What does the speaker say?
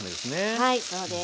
はいそうです。